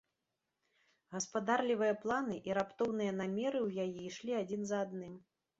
Гаспадарлівыя планы і раптоўныя намеры ў яе ішлі адзін за адным.